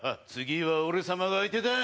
次は俺様が相手だ！